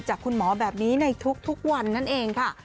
จากคุณหมอแบบนี้ในทุกวันนั่นเองค่ะ